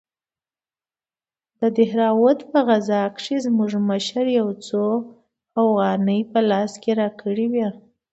د دهراوت په غزا کښې زموږ مشر يو څو اوغانۍ په لاس راکړې وې.